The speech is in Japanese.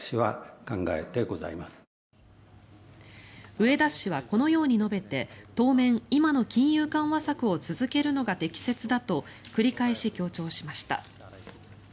植田氏はこのように述べて当面、今の金融緩和策を続けるのが適切だと繰り返し強調しました。